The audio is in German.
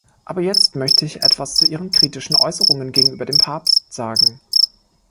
Aber jetzt möchte ich etwas zu Ihren kritischen Äußerungen gegenüber dem Papst sagen.